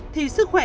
thì sức khỏe